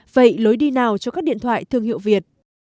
vậy lối đi nào cho các điện thoại thương hiệu việt